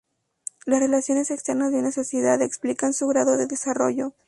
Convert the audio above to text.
Las relaciones externas de una sociedad explican su grado de desarrollo.